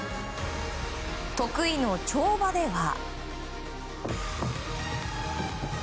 得意の跳馬では。